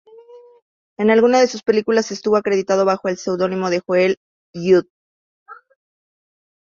En algunas de sus películas estuvo acreditado bajo el seudónimo de Joel Judge.